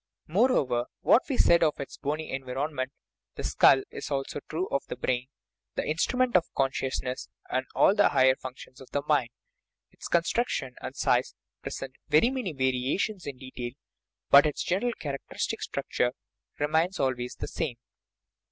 Moreover, what we said of its bony environment, the skull, is also true of the brain the instrument of consciousness and all the higher functions of the mind; its construction and size present very many variations in detail, but its general characteristic structure remains always the same.